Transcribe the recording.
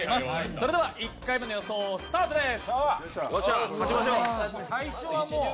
それでは１回目の予想スタートです。